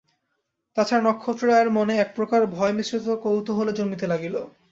তাহা ছাড়া নক্ষত্ররায়ের মনে এক-প্রকার ভয়মিশ্রিত কৌতূহলও জন্মিতে লাগিল।